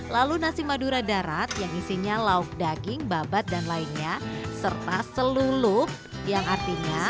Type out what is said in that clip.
lalu nasi madura darat yang isinya lauk daging babat dan lainnya serta selulup yang artinya